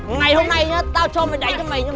ngày hôm nay tao cho mày đánh cho mày mở to mắt ra nha